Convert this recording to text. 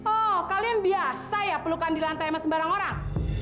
oh kalian biasa ya pelukan di lantai sama sembarang orang